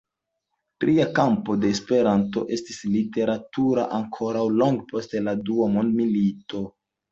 Tria kampo de "Esperanto" estis literaturo, ankoraŭ longe post la dua mondmilito.